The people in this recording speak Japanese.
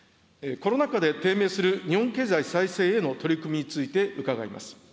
コロナ禍で低迷する日本経済再生への取り組みについて、伺います。